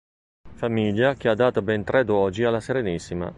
Famiglia che ha dato ben tre dogi alla Serenissima.